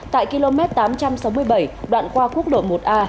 tại km tám trăm sáu mươi bảy đoạn qua quốc lộ một a